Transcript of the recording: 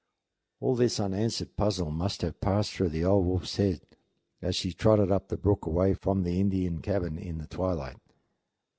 All this unanswered puzzle must have passed through the old wolf's head as she trotted up the brook away from the Indian cabin in the twilight.